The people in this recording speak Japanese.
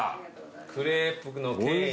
クレープの権威。